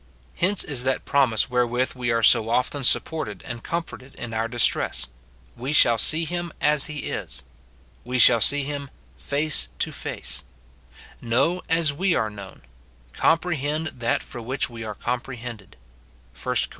Hence is that promise where with we are so often supported and comforted in our dis tress, " We shall see him as he is ;" we shall see him "face to face ;" "know as we are known; comjjrehend that for Avhich we are comprehended," 1 Cor.